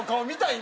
今。